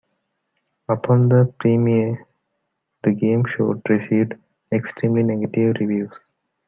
Upon the premiere, the game show received extremely negative reviews.